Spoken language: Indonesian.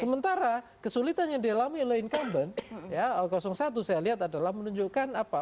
sementara kesulitan yang dialami oleh incumbent satu saya lihat adalah menunjukkan apa